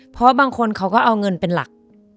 เพราะบางคนเขาก็เอาเงินเป็นหลัก